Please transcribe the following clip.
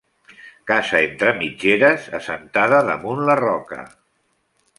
Casa entre mitgeres, assentada damunt la roca.